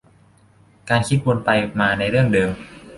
การคิดวนไปมาในเรื่องเดิม